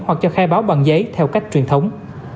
hoặc cho khai báo bằng giấy theo cách truyền thống